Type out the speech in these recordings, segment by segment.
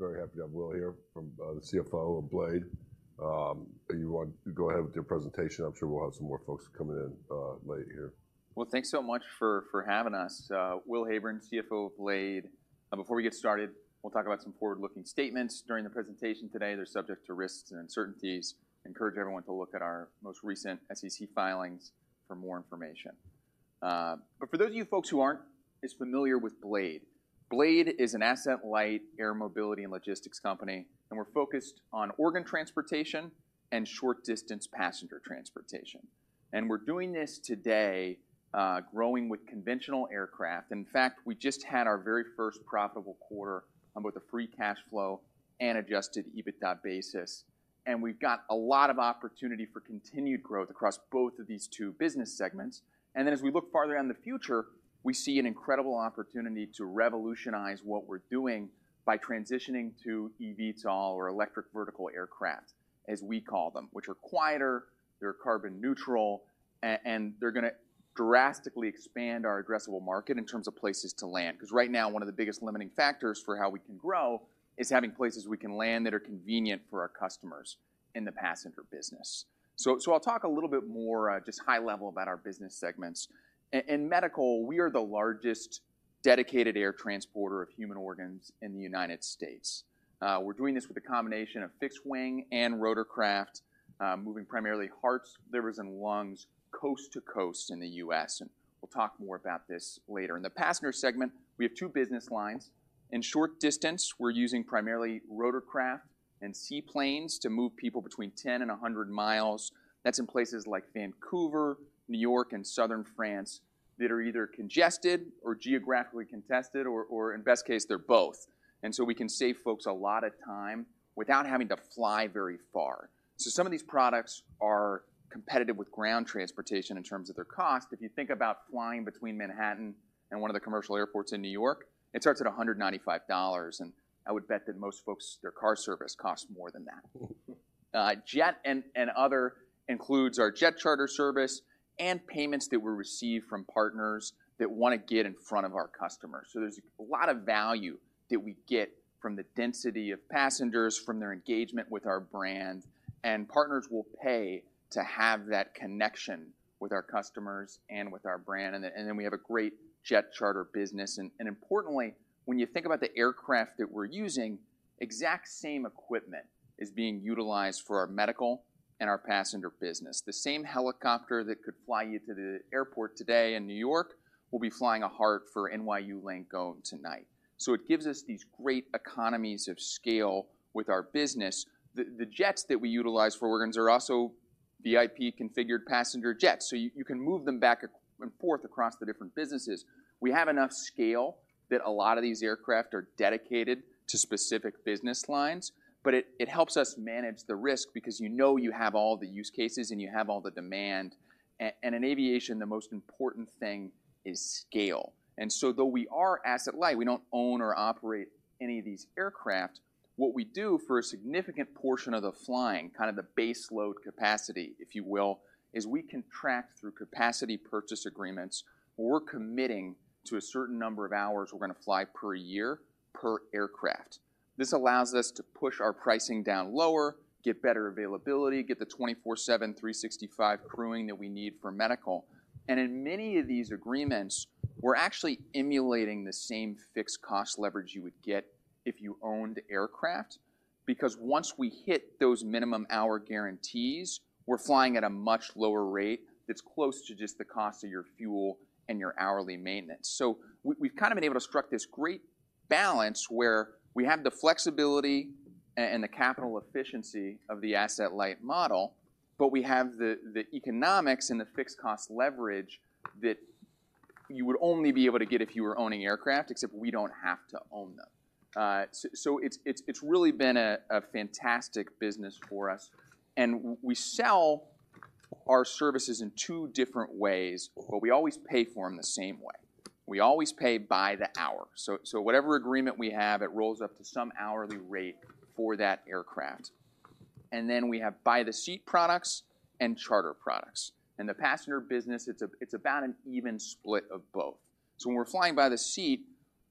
Very happy to have Will here from the CFO of Blade. You want to go ahead with your presentation? I'm sure we'll have some more folks coming in late here. Well, thanks so much for, for having us. Will Heyburn, CFO of Blade. Before we get started, we'll talk about some forward-looking statements during the presentation today. They're subject to risks and uncertainties. Encourage everyone to look at our most recent SEC filings for more information. But for those of you folks who aren't as familiar with Blade, Blade is an asset-light air mobility and logistics company, and we're focused on organ transportation and short-distance passenger transportation. We're doing this today, growing with conventional aircraft. In fact, we just had our very first profitable quarter, on both a free cash flow and adjusted EBITDA basis, and we've got a lot of opportunity for continued growth across both of these two business segments. And then as we look farther out in the future, we see an incredible opportunity to revolutionize what we're doing by transitioning to eVTOL, or electric vertical aircraft, as we call them, which are quieter, they're carbon neutral, and they're going to drastically expand our addressable market in terms of places to land. Because right now, one of the biggest limiting factors for how we can grow is having places we can land that are convenient for our customers in the passenger business. So I'll talk a little bit more, just high level about our business segments. In medical, we are the largest dedicated air transporter of human organs in the United States. We're doing this with a combination of fixed wing and rotorcraft, moving primarily hearts, livers, and lungs, coast to coast in the U.S., and we'll talk more about this later. In the passenger segment, we have two business lines. In short distance, we're using primarily rotorcraft and seaplanes to move people between 10-100 miles. That's in places like Vancouver, New York, and southern France, that are either congested or geographically contested, or in best case, they're both. And so we can save folks a lot of time without having to fly very far. So some of these products are competitive with ground transportation in terms of their cost. If you think about flying between Manhattan and one of the commercial airports in New York, it starts at $195, and I would bet that most folks, their car service costs more than that. Jet and other includes our jet charter service and payments that were received from partners that want to get in front of our customers. So there's a lot of value that we get from the density of passengers, from their engagement with our brand, and partners will pay to have that connection with our customers and with our brand. And then we have a great jet charter business, and importantly, when you think about the aircraft that we're using, exact same equipment is being utilized for our medical and our passenger business. The same helicopter that could fly you to the airport today in New York, will be flying a heart for NYU Langone tonight. So it gives us these great economies of scale with our business. The jets that we utilize for organs are also VIP-configured passenger jets, so you can move them back and forth across the different businesses. We have enough scale that a lot of these aircraft are dedicated to specific business lines, but it helps us manage the risk because you know you have all the use cases, and you have all the demand. And in aviation, the most important thing is scale. And so though we are asset light, we don't own or operate any of these aircraft, what we do for a significant portion of the flying, kind of the base load capacity, if you will, is we contract through capacity purchase agreements, where we're committing to a certain number of hours we're going to fly per year, per aircraft. This allows us to push our pricing down lower, get better availability, get the 24/7, 365 crewing that we need for medical. And in many of these agreements, we're actually emulating the same fixed cost leverage you would get if you owned aircraft, because once we hit those minimum hour guarantees, we're flying at a much lower rate that's close to just the cost of your fuel and your hourly maintenance. So we've kind of been able to strike this great balance, where we have the flexibility and the capital efficiency of the asset-light model, but we have the economics and the fixed cost leverage that you would only be able to get if you were owning aircraft, except we don't have to own them. So it's really been a fantastic business for us, and we sell our services in two different ways, but we always pay for them the same way. We always pay by the hour. So, whatever agreement we have, it rolls up to some hourly rate for that aircraft. And then we have by the seat products and charter products. In the passenger business, it's about an even split of both. So when we're flying by the seat,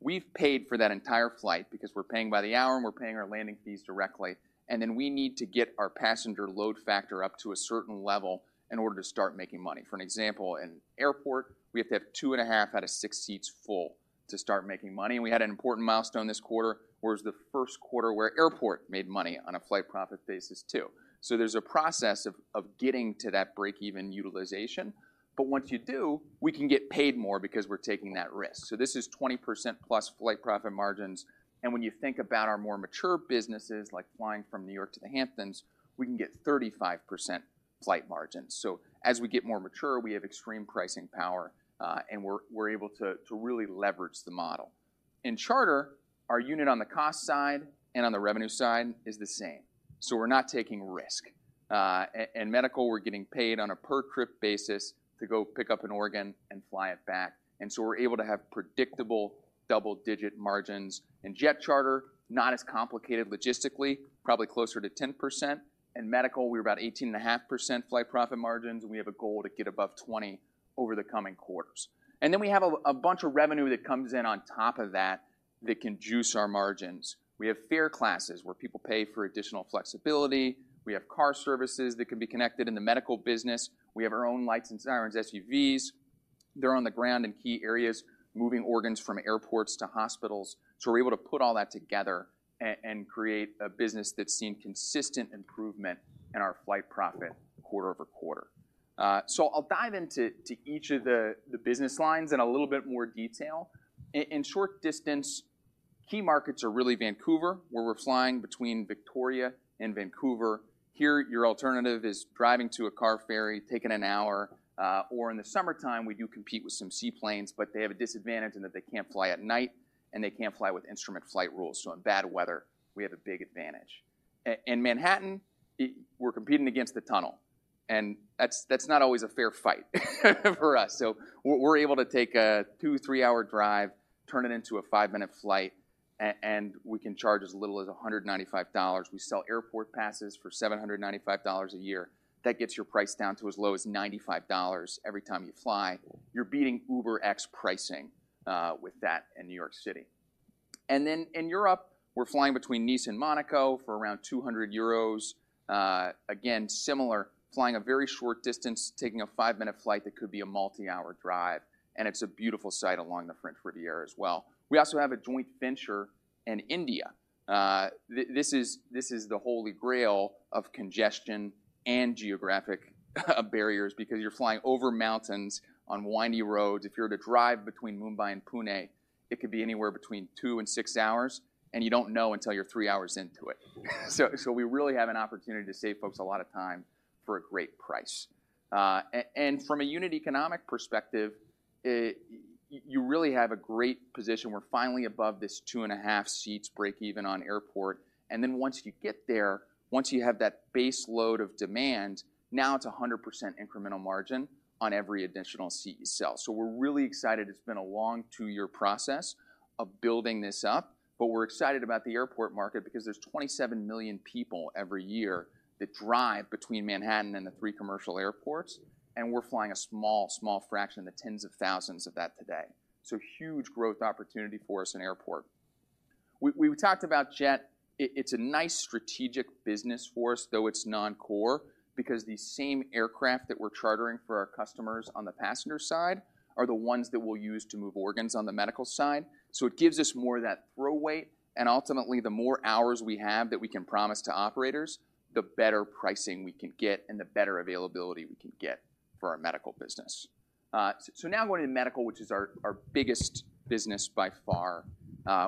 we've paid for that entire flight, because we're paying by the hour, and we're paying our landing fees directly, and then we need to get our passenger load factor up to a certain level in order to start making money. For an example, in Airport, we have to have 2.5 out of 6 seats full to start making money. And we had an important milestone this quarter, where it's the first quarter where Airport made money on a flight profit basis, too. So there's a process of getting to that break-even utilization, but once you do, we can get paid more because we're taking that risk. So this is 20% plus flight profit margins, and when you think about our more mature businesses, like flying from New York to the Hamptons, we can get 35% flight margins. So as we get more mature, we have extreme pricing power, and we're able to really leverage the model. In charter, our unit on the cost side and on the revenue side is the same, so we're not taking risk. In medical, we're getting paid on a per-trip basis to go pick up an organ and fly it back, and so we're able to have predictable double-digit margins. In jet charter, not as complicated logistically, probably closer to 10%. In medical, we're about 18.5% flight profit margins, and we have a goal to get above 20 over the coming quarters. Then we have a bunch of revenue that comes in on top of that that can juice our margins. We have fare classes, where people pay for additional flexibility. We have car services that can be connected in the medical business. We have our own lights and sirens, SUVs. They're on the ground in key areas, moving organs from airports to hospitals. So we're able to put all that together and create a business that's seen consistent improvement in our flight profit quarter-over-quarter. So I'll dive into to each of the business lines in a little bit more detail. In short distance, key markets are really Vancouver, where we're flying between Victoria and Vancouver. Here, your alternative is driving to a car ferry, taking an hour, or in the summertime, we do compete with some seaplanes, but they have a disadvantage in that they can't fly at night, and they can't fly with instrument flight rules, so in bad weather, we have a big advantage. In Manhattan, we're competing against the tunnel, and that's not always a fair fight for us. So we're able to take a two to three hour drive, turn it into a 5-minute flight, and we can charge as little as $195. We sell airport passes for $795 a year. That gets your price down to as low as $95 every time you fly. You're beating UberX pricing with that in New York City. And then in Europe, we're flying between Nice and Monaco for around 200 euros. Again, similar, flying a very short distance, taking a 5-minute flight that could be a multi-hour drive, and it's a beautiful sight along the French Riviera as well. We also have a joint venture in India. This is, this is the Holy Grail of congestion and geographic barriers because you're flying over mountains on windy roads. If you were to drive between Mumbai and Pune, it could be anywhere between two and six hours, and you don't know until you're three hours into it. So, so we really have an opportunity to save folks a lot of time for a great price. And from a unit economic perspective, you really have a great position. We're finally above this 2.5 seats breakeven on airport. Then once you get there, once you have that base load of demand, now it's 100% incremental margin on every additional seat you sell. So we're really excited. It's been a long two-year process of building this up, but we're excited about the airport market because there's 27 million people every year that drive between Manhattan and the three commercial airports, and we're flying a small, small fraction, in the tens of thousands of that today. So huge growth opportunity for us in airport. We, we talked about jet. It, it's a nice strategic business for us, though it's non-core, because the same aircraft that we're chartering for our customers on the passenger side are the ones that we'll use to move organs on the medical side. So it gives us more of that throw weight, and ultimately, the more hours we have that we can promise to operators, the better pricing we can get and the better availability we can get for our medical business. So now going to medical, which is our, our biggest business by far.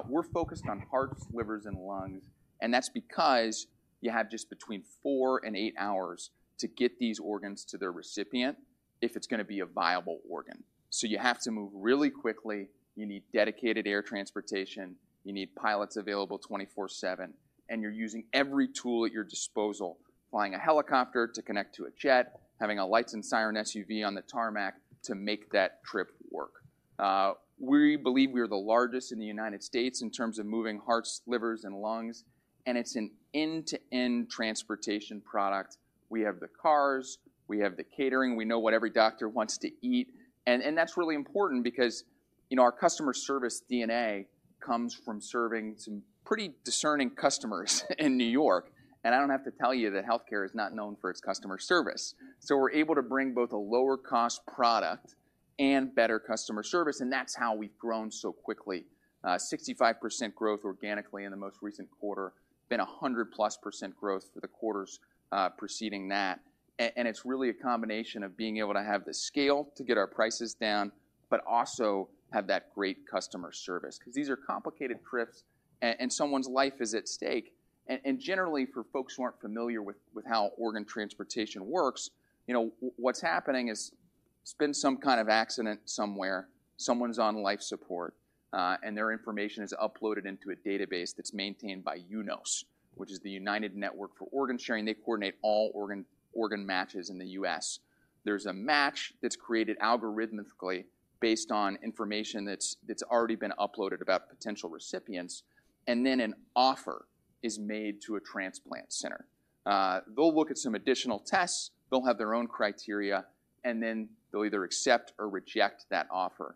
We're focused on hearts, livers, and lungs, and that's because you have just between four and eight hours to get these organs to their recipient if it's gonna be a viable organ. So you have to move really quickly. You need dedicated air transportation. You need pilots available 24/7, and you're using every tool at your disposal, flying a helicopter to connect to a jet, having a lights and siren SUV on the tarmac to make that trip work. We believe we are the largest in the United States in terms of moving hearts, livers, and lungs, and it's an end-to-end transportation product. We have the cars, we have the catering, we know what every doctor wants to eat, and, and that's really important because, you know, our customer service DNA comes from serving some pretty discerning customers in New York, and I don't have to tell you that healthcare is not known for its customer service. So we're able to bring both a lower-cost product and better customer service, and that's how we've grown so quickly. 65% growth organically in the most recent quarter, been 100%+ growth for the quarters preceding that. And it's really a combination of being able to have the scale to get our prices down, but also have that great customer service, because these are complicated trips and someone's life is at stake. And generally, for folks who aren't familiar with how organ transportation works, you know, what's happening is there's been some kind of accident somewhere, someone's on life support, and their information is uploaded into a database that's maintained by UNOS, which is the United Network for Organ Sharing. They coordinate all organ matches in the U.S. There's a match that's created algorithmically based on information that's already been uploaded about potential recipients, and then an offer is made to a transplant center. They'll look at some additional tests, they'll have their own criteria, and then they'll either accept or reject that offer.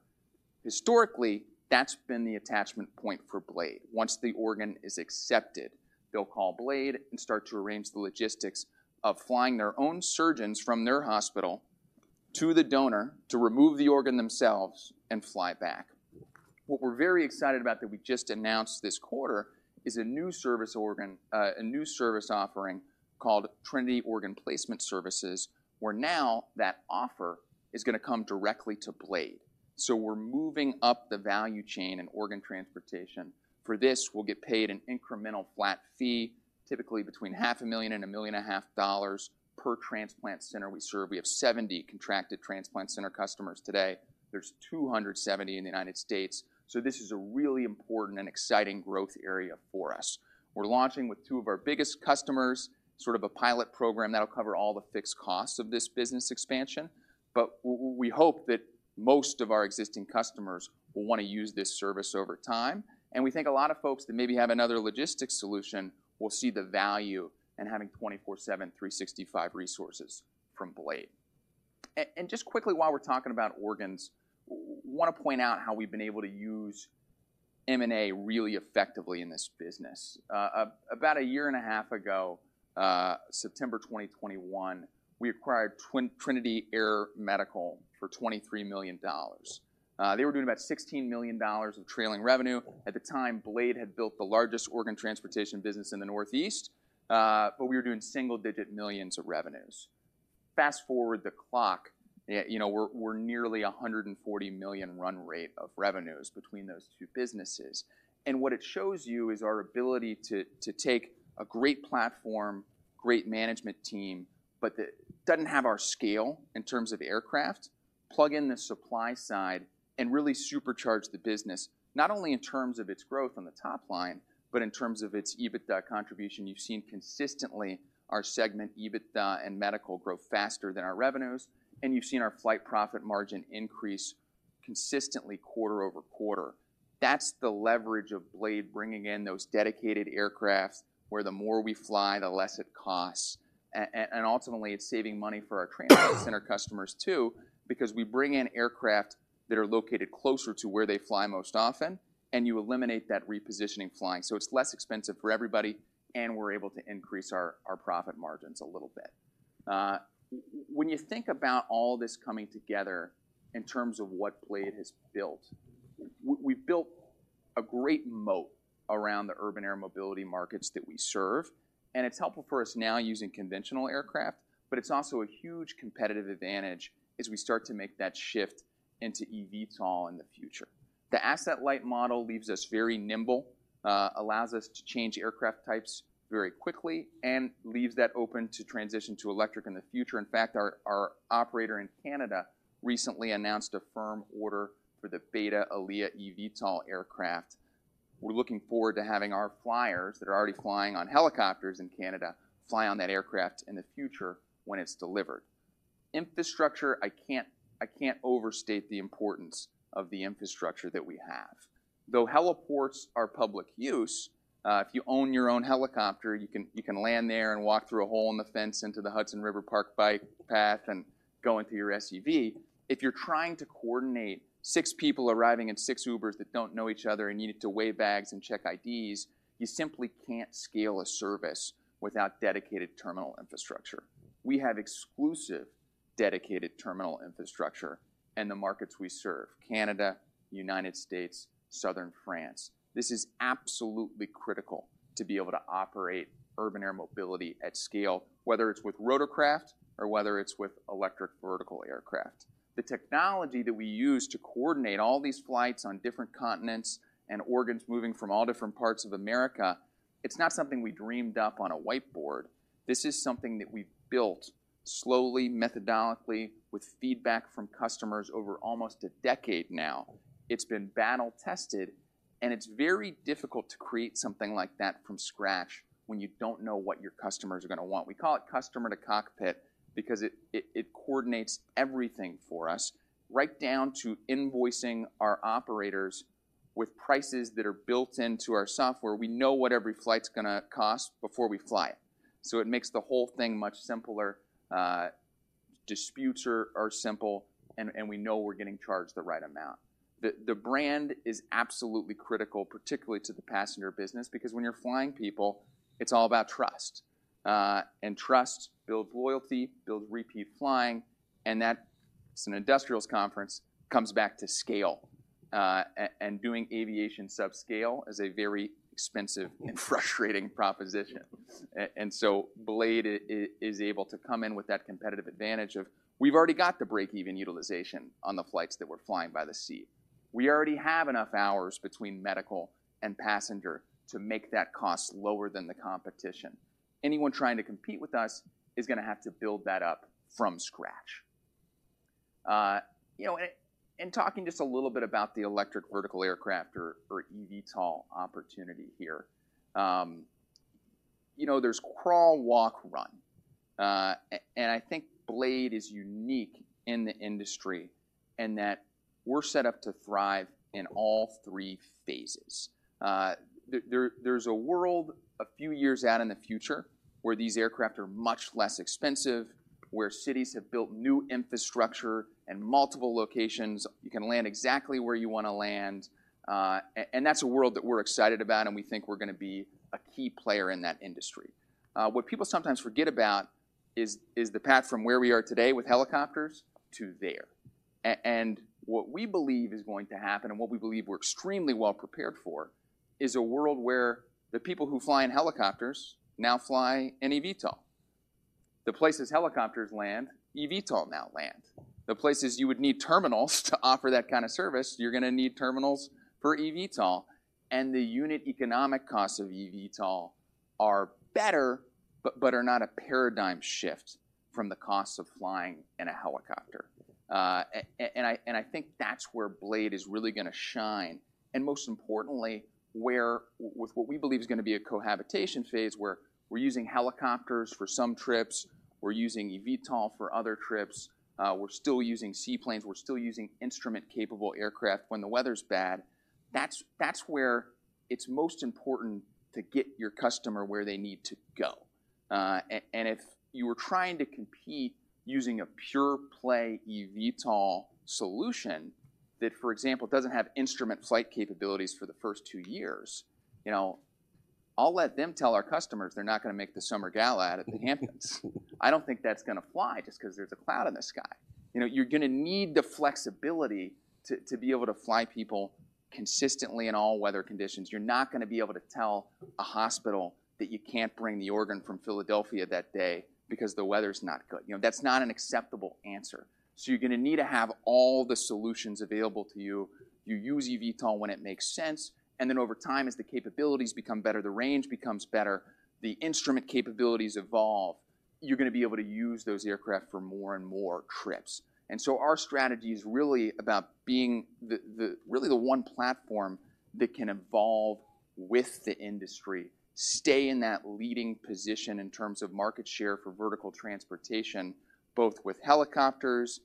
Historically, that's been the attachment point for Blade. Once the organ is accepted, they'll call Blade and start to arrange the logistics of flying their own surgeons from their hospital to the donor to remove the organ themselves and fly back. What we're very excited about that we just announced this quarter is a new service offering called Trinity Organ Placement Services, where now that offer is gonna come directly to Blade. So we're moving up the value chain in organ transportation. For this, we'll get paid an incremental flat fee, typically between $500,000 and $1.5 million per transplant center we serve. We have 70 contracted transplant center customers today. There's 270 in the United States, so this is a really important and exciting growth area for us. We're launching with two of our biggest customers, sort of a pilot program that'll cover all the fixed costs of this business expansion. But we hope that most of our existing customers will want to use this service over time, and we think a lot of folks that maybe have another logistics solution will see the value in having 24/7, 365 resources from Blade. And just quickly, while we're talking about organs, wanna point out how we've been able to use M&A really effectively in this business. About a year and a half ago, September 2021, we acquired Trinity Air Medical for $23 million. They were doing about $16 million of trailing revenue. At the time, Blade had built the largest organ transportation business in the Northeast, but we were doing single-digit millions of revenues. Fast-forward the clock, you know, we're nearly $140 million run rate of revenues between those two businesses, and what it shows you is our ability to take a great platform, great management team, but that doesn't have our scale in terms of aircraft, plug in the supply side, and really supercharge the business, not only in terms of its growth on the top line, but in terms of its EBITDA contribution. You've seen consistently our segment EBITDA and medical grow faster than our revenues, and you've seen our flight profit margin increase consistently quarter-over-quarter. That's the leverage of Blade bringing in those dedicated aircraft, where the more we fly, the less it costs. And ultimately, it's saving money for our transplant center customers too, because we bring in aircraft that are located closer to where they fly most often, and you eliminate that repositioning flying. So it's less expensive for everybody, and we're able to increase our profit margins a little bit. When you think about all this coming together in terms of what Blade has built, we've built a great moat around the urban air mobility markets that we serve, and it's helpful for us now using conventional aircraft, but it's also a huge competitive advantage as we start to make that shift into eVTOL in the future. The asset-light model leaves us very nimble, allows us to change aircraft types very quickly, and leaves that open to transition to electric in the future. In fact, our operator in Canada recently announced a firm order for the BETA ALIA eVTOL aircraft. We're looking forward to having our flyers that are already flying on helicopters in Canada, fly on that aircraft in the future when it's delivered. Infrastructure, I can't overstate the importance of the infrastructure that we have. Though heliports are public use, if you own your own helicopter, you can land there and walk through a hole in the fence into the Hudson River Park bike path and go into your SUV. If you're trying to coordinate six people arriving in six Ubers that don't know each other, and you need to weigh bags and check IDs, you simply can't scale a service without dedicated terminal infrastructure. We have exclusive, dedicated terminal infrastructure in the markets we serve: Canada, United States, southern France. This is absolutely critical to be able to operate urban air mobility at scale, whether it's with rotorcraft or whether it's with electric vertical aircraft. The technology that we use to coordinate all these flights on different continents and organs moving from all different parts of America, it's not something we dreamed up on a whiteboard. This is something that we've built slowly, methodically, with feedback from customers over almost a decade now. It's been battle-tested, and it's very difficult to create something like that from scratch when you don't know what your customers are gonna want. We call it Customer-to-Cockpit because it coordinates everything for us, right down to invoicing our operators with prices that are built into our software. We know what every flight's gonna cost before we fly it, so it makes the whole thing much simpler. Disputes are simple, and we know we're getting charged the right amount. The brand is absolutely critical, particularly to the passenger business, because when you're flying people, it's all about trust. And trust builds loyalty, builds repeat flying, and that, as an industrials conference, comes back to scale. And doing aviation subscale is a very expensive and frustrating proposition. And so Blade is able to come in with that competitive advantage of, we've already got the break-even utilization on the flights that we're flying by the seat. We already have enough hours between medical and passenger to make that cost lower than the competition. Anyone trying to compete with us is gonna have to build that up from scratch. You know, and talking just a little bit about the electric vertical aircraft or eVTOL opportunity here. You know, there's crawl, walk, run, and I think Blade is unique in the industry in that we're set up to thrive in all three phases. There's a world a few years out in the future where these aircraft are much less expensive, where cities have built new infrastructure and multiple locations. You can land exactly where you wanna land, and that's a world that we're excited about, and we think we're gonna be a key player in that industry. What people sometimes forget about is the path from where we are today with helicopters to there. And what we believe is going to happen, and what we believe we're extremely well prepared for, is a world where the people who fly in helicopters now fly an eVTOL. The places helicopters land, eVTOL now land. The places you would need terminals to offer that kind of service, you're gonna need terminals for eVTOL, and the unit economic costs of eVTOL are better, but are not a paradigm shift from the costs of flying in a helicopter. And I think that's where Blade is really gonna shine, and most importantly, where with what we believe is gonna be a cohabitation phase, where we're using helicopters for some trips, we're using eVTOL for other trips, we're still using seaplanes, we're still using instrument-capable aircraft when the weather's bad. That's where it's most important to get your customer where they need to go. And if you were trying to compete using a pure-play eVTOL solution that, for example, doesn't have instrument flight capabilities for the first two years, you know, I'll let them tell our customers they're not gonna make the summer gala at the Hamptons. I don't think that's gonna fly just because there's a cloud in the sky. You know, you're gonna need the flexibility to be able to fly people consistently in all weather conditions. You're not gonna be able to tell a hospital that you can't bring the organ from Philadelphia that day because the weather's not good. You know, that's not an acceptable answer. So you're gonna need to have all the solutions available to you. You use eVTOL when it makes sense, and then over time, as the capabilities become better, the range becomes better, the instrument capabilities evolve, you're gonna be able to use those aircraft for more and more trips. And so our strategy is really about being the one platform that can evolve with the industry, stay in that leading position in terms of market share for vertical transportation, both with helicopters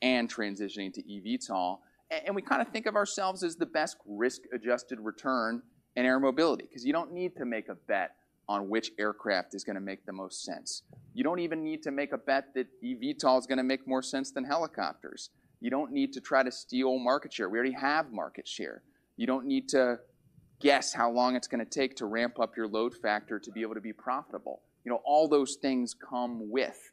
and transitioning to eVTOL. And we kind of think of ourselves as the best risk-adjusted return in air mobility, because you don't need to make a bet on which aircraft is gonna make the most sense. You don't even need to make a bet that eVTOL is gonna make more sense than helicopters. You don't need to try to steal market share. We already have market share. You don't need to guess how long it's gonna take to ramp up your load factor to be able to be profitable. You know, all those things come with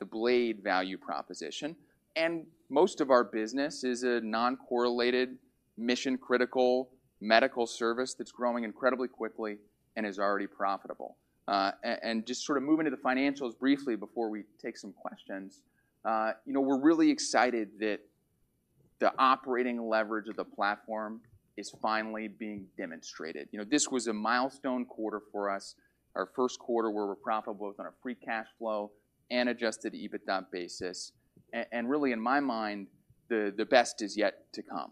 the Blade value proposition, and most of our business is a non-correlated, mission-critical medical service that's growing incredibly quickly and is already profitable. And just sort of moving to the financials briefly before we take some questions, you know, we're really excited that the operating leverage of the platform is finally being demonstrated. You know, this was a milestone quarter for us, our first quarter where we're profitable both on a free cash flow and adjusted EBITDA basis. And really, in my mind, the, the best is yet to come.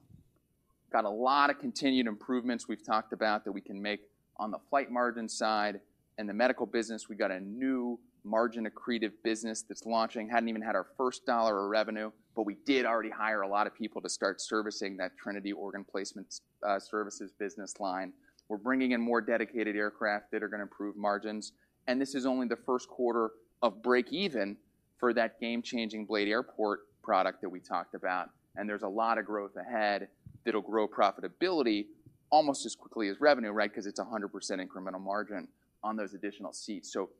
Got a lot of continued improvements we've talked about that we can make on the flight margin side and the medical business. We've got a new margin-accretive business that's launching. Hadn't even had our first dollar of revenue, but we did already hire a lot of people to start servicing that Trinity Organ Placement Services business line. We're bringing in more dedicated aircraft that are gonna improve margins, and this is only the first quarter of break even for that game-changing Blade Airport product that we talked about, and there's a lot of growth ahead that'll grow profitability almost as quickly as revenue, right? Because it's 100% incremental margin on those additional seats. So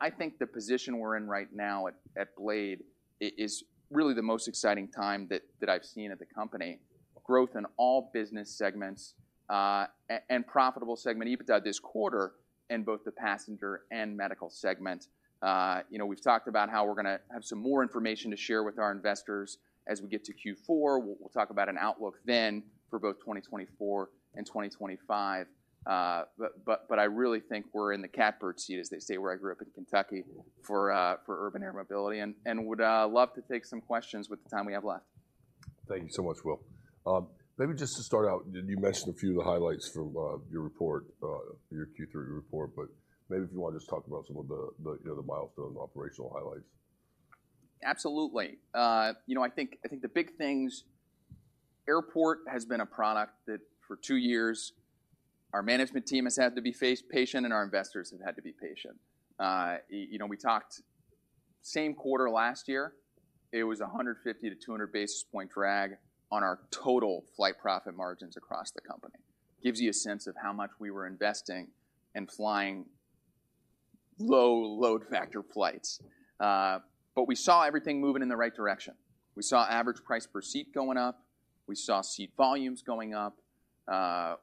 I think the position we're in right now at Blade is really the most exciting time that I've seen at the company. Growth in all business segments and profitable segment EBITDA this quarter in both the passenger and medical segment. You know, we've talked about how we're gonna have some more information to share with our investors as we get to Q4. We'll, we'll talk about an outlook then for both 2024 and 2025. But, but, but I really think we're in the catbird seat, as they say, where I grew up in Kentucky, for, for urban air mobility, and, and would, love to take some questions with the time we have left. Thank you so much, Will. Maybe just to start out, you mentioned a few of the highlights from your report, your Q3 report, but maybe if you want to just talk about some of the, you know, the milestone operational highlights. Absolutely. You know, I think, I think the big things, Airport has been a product that for two years, our management team has had to be patient, and our investors have had to be patient. You know, we talked, same quarter last year, it was 150-200 basis point drag on our total flight profit margins across the company. Gives you a sense of how much we were investing and flying low load factor flights. But we saw everything moving in the right direction. We saw average price per seat going up. We saw seat volumes going up.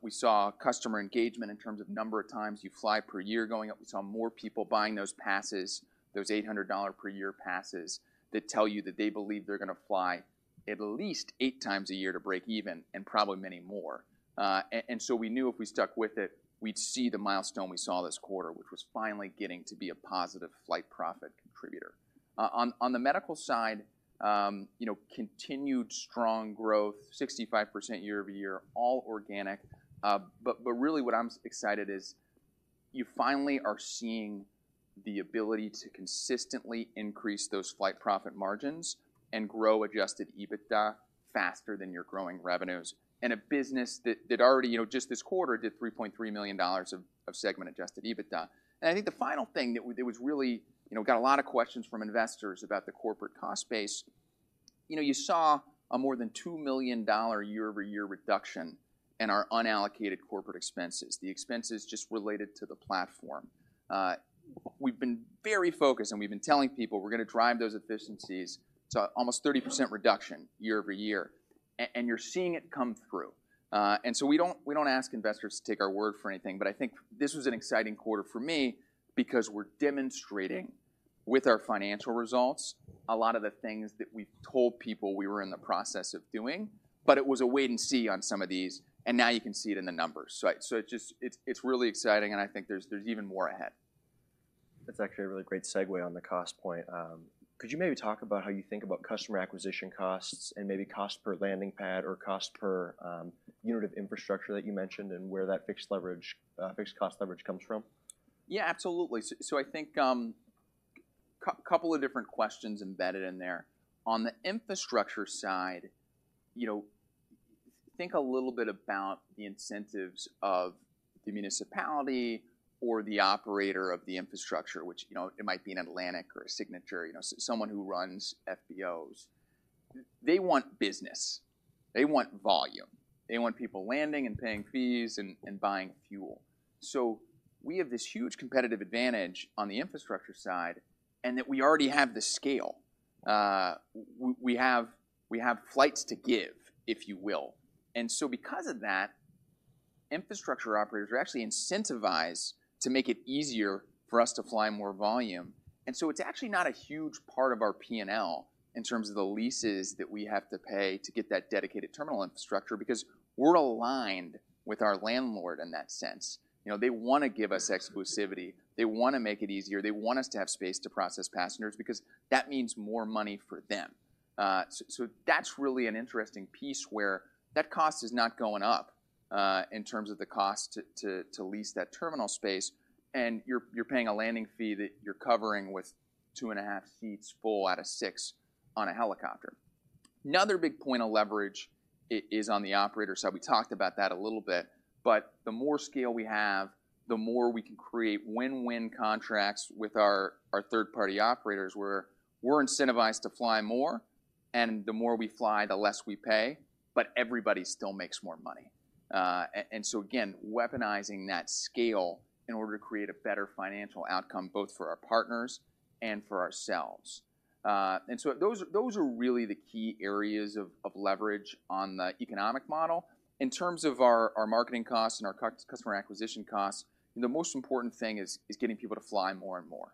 We saw customer engagement in terms of number of times you fly per year going up. We saw more people buying those passes, those $800 per year passes, that tell you that they believe they're gonna fly at least 8x a year to break even, and probably many more. And so we knew if we stuck with it, we'd see the milestone we saw this quarter, which was finally getting to be a positive flight profit contributor. On the medical side, you know, continued strong growth, 65% year-over-year, all organic. But really what I'm excited is, you finally are seeing the ability to consistently increase those flight profit margins and grow adjusted EBITDA faster than you're growing revenues. In a business that already, you know, just this quarter, did $3.3 million of segment adjusted EBITDA. I think the final thing that was really you know, got a lot of questions from investors about the corporate cost base. You know, you saw a more than $2 million year-over-year reduction in our unallocated corporate expenses, the expenses just related to the platform. We've been very focused, and we've been telling people we're gonna drive those efficiencies. It's almost 30% reduction year-over-year, and you're seeing it come through. And so we don't, we don't ask investors to take our word for anything, but I think this was an exciting quarter for me, because we're demonstrating with our financial results, a lot of the things that we've told people we were in the process of doing, but it was a wait and see on some of these, and now you can see it in the numbers. So it just, it's really exciting, and I think there's even more ahead. That's actually a really great segue on the cost point. Could you maybe talk about how you think about customer acquisition costs and maybe cost per landing pad or cost per unit of infrastructure that you mentioned, and where that fixed leverage, fixed cost leverage comes from? Yeah, absolutely. So I think, a couple of different questions embedded in there. On the infrastructure side, you know, think a little bit about the incentives of the municipality or the operator of the infrastructure, which, you know, it might be an Atlantic or a Signature, you know, someone who runs FBOs. They want business. They want volume. They want people landing and paying fees and buying fuel. So we have this huge competitive advantage on the infrastructure side, and that we already have the scale. We have, we have flights to give, if you will, and so because of that, infrastructure operators are actually incentivized to make it easier for us to fly more volume. It's actually not a huge part of our P&L in terms of the leases that we have to pay to get that dedicated terminal infrastructure, because we're aligned with our landlord in that sense. You know, they wanna give us exclusivity, they wanna make it easier, they want us to have space to process passengers because that means more money for them. So that's really an interesting piece where that cost is not going up in terms of the cost to lease that terminal space, and you're paying a landing fee that you're covering with 2.5 seats full out of 6 on a helicopter. Another big point of leverage is on the operator side. We talked about that a little bit, but the more scale we have, the more we can create win-win contracts with our third-party operators, where we're incentivized to fly more, and the more we fly, the less we pay, but everybody still makes more money. And so again, weaponizing that scale in order to create a better financial outcome, both for our partners and for ourselves. And so those are really the key areas of leverage on the economic model. In terms of our marketing costs and our customer acquisition costs, the most important thing is getting people to fly more and more.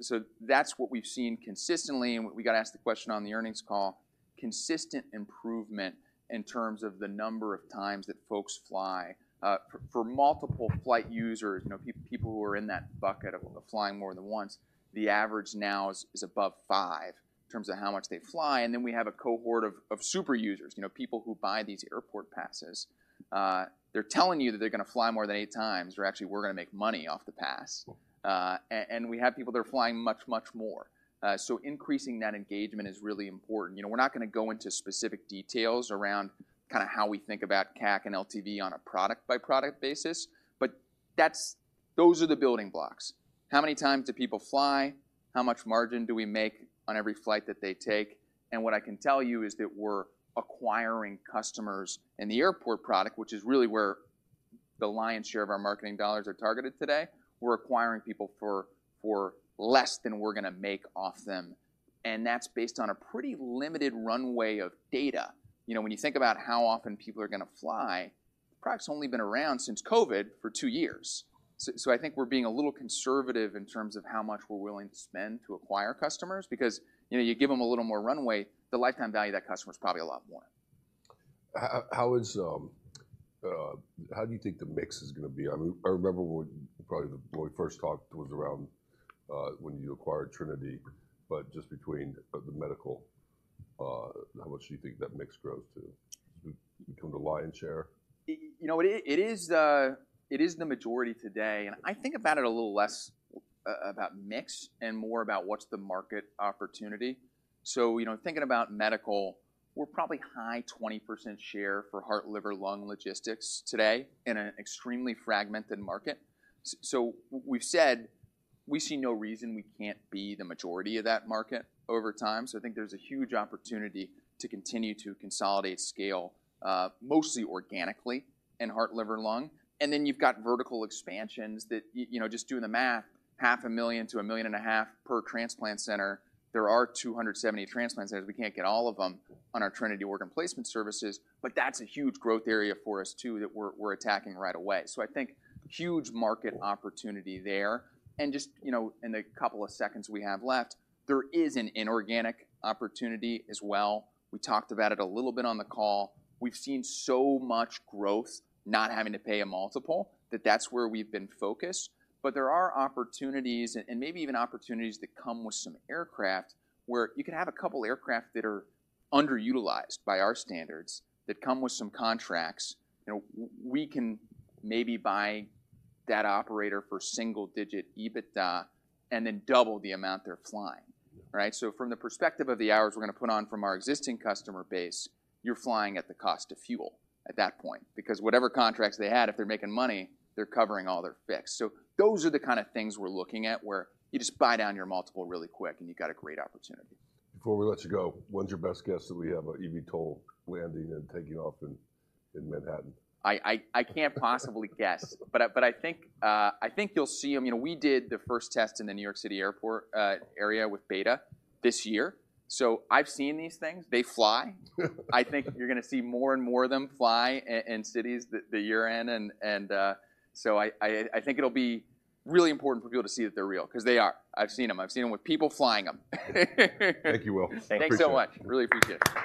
So that's what we've seen consistently, and we got asked the question on the earnings call, consistent improvement in terms of the number of times that folks fly. For multiple flight users, you know, people who are in that bucket of flying more than once, the average now is above five in terms of how much they fly, and then we have a cohort of super users, you know, people who buy these airport passes. They're telling you that they're gonna fly more than 8x, or actually, we're gonna make money off the pass. And we have people that are flying much, much more. So increasing that engagement is really important. You know, we're not gonna go into specific details around kinda how we think about CAC and LTV on a product-by-product basis, but that's those are the building blocks. How many times do people fly? How much margin do we make on every flight that they take? What I can tell you is that we're acquiring customers in the airport product, which is really where the lion's share of our marketing dollars are targeted today. We're acquiring people for less than we're gonna make off them, and that's based on a pretty limited runway of data. You know, when you think about how often people are gonna fly, product's only been around since COVID, for two years. So I think we're being a little conservative in terms of how much we're willing to spend to acquire customers because, you know, you give them a little more runway, the lifetime value of that customer is probably a lot more. How do you think the mix is gonna be? I mean, I remember when, probably when we first talked was around when you acquired Trinity, but just between the medical, how much do you think that mix grows to? Does it become the lion's share? You know what? It is, it is the majority today, and I think about it a little less about mix and more about what's the market opportunity. So, you know, thinking about medical, we're probably high 20% share for heart, liver, lung logistics today, in an extremely fragmented market. So we've said we see no reason we can't be the majority of that market over time. So I think there's a huge opportunity to continue to consolidate scale, mostly organically in heart, liver, and lung, and then you've got vertical expansions that you know, just doing the math, $500,000-$1.5 million per transplant center. There are 270 transplant centers. We can't get all of them on our Trinity Organ Placement Services, but that's a huge growth area for us, too, that we're attacking right away. So I think huge market opportunity there, and just, you know, in the couple of seconds we have left, there is an inorganic opportunity as well. We talked about it a little bit on the call. We've seen so much growth, not having to pay a multiple, that that's where we've been focused. But there are opportunities and maybe even opportunities that come with some aircraft, where you can have a couple aircraft that are underutilized by our standards, that come with some contracts, and we can maybe buy that operator for single-digit EBITDA and then double the amount they're flying, right? So from the perspective of the hours we're gonna put on from our existing customer base, you're flying at the cost of fuel at that point, because whatever contracts they had, if they're making money, they're covering all their fixed. So those are the kind of things we're looking at, where you just buy down your multiple really quick, and you've got a great opportunity. Before we let you go, when's your best guess that we have an eVTOL landing and taking off in Manhattan? I can't possibly guess. But I think you'll see them. You know, we did the first test in the New York City Airport area with Beta this year. So I've seen these things. They fly. I think you're gonna see more and more of them fly in cities that you're in, and so I think it'll be really important for people to see that they're real, 'cause they are. I've seen them. I've seen them with people flying them. Thank you, Will. Thanks so much. Really appreciate it.